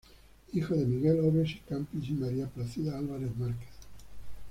Hijo de Miguel Obes y Campins y María Plácida Álvarez Márquez.